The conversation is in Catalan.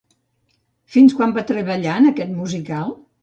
Fins quan va treballar en aquest musical?